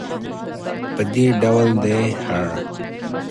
په دې ډول دی هر.